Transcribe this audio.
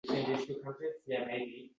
Yana shu mavzuda o‘qing: